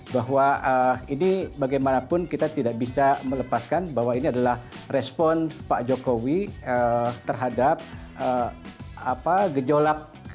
bahwa ini bagaimanapun kita tidak bisa melepaskan bahwa ini adalah respon pak jokowi terhadap gejolak politik dalam hal ini yang menyerang kepada beliau